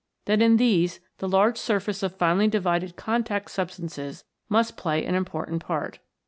that in these the large surface of finely divided contact substances must play an important part.